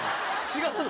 違うの？